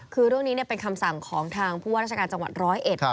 คือเรื่องนี้เป็นคำสั่งของทางผู้ว่าราชการจังหวัดร้อยเอ็ด